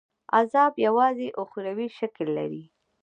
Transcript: عذاب یوازي اُخروي شکل لري.